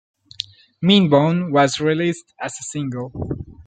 "Mean Bone" was released as a single.